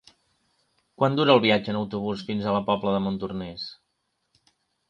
Quant dura el viatge en autobús fins a la Pobla de Montornès?